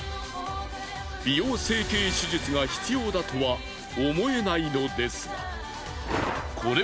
美容整形手術が必要だとは思えないのですが。